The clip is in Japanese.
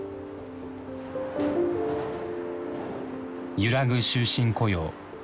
揺らぐ終身雇用。